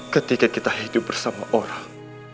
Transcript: ketika kita hidup bersama orang